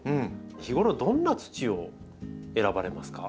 日頃どんな土を選ばれますか？